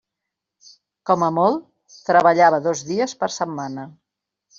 Com a molt, treballava dos dies per setmana.